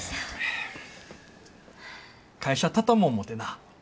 会社畳も思てな。